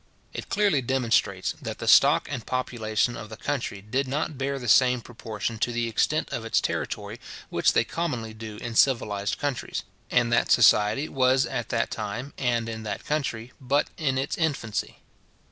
It clearly demonstrates, that the stock and population of the country did not bear the same proportion to the extent of its territory, which they commonly do in civilized countries; and that society was at that time, and in that country, but in its infancy.